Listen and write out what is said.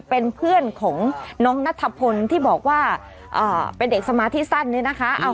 เป็นเพื่อนของน้องนัทพลที่บอกว่าเป็นเด็กสมาธิสั้นเนี่ยนะคะ